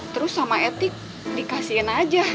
terus sama etik dikasihin aja